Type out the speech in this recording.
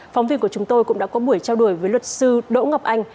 phóng viên của chúng tôi cũng đã có buổi trao đổi với luật sư đỗ ngọc anh